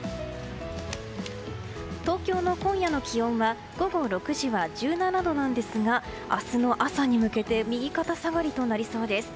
東京の今夜の気温は午後６時は１７度なんですが明日の朝に向けて右肩下がりとなりそうです。